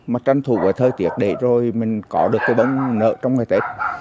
mà tranh thủ với thời tiết để rồi mình có được cơ bản nợ trong ngày tết